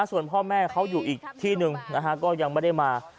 ส่วนพ่อแม่เขาอยู่อีกที่หนึ่งนะฮะก็ยังไม่ได้มา